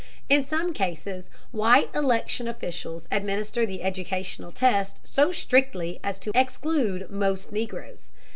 In some cases white election officials administer the educational test so strictly as to exclude most Negroes.